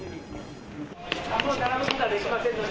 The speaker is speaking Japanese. もう並ぶことはできませんので。